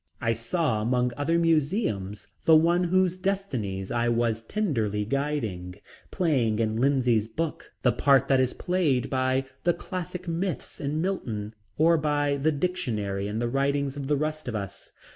I saw among other museums the one whose destinies I was tenderly guiding, playing in Lindsay's book the part that is played by the classic myths in Milton, or by the dictionary in the writings of the rest of us.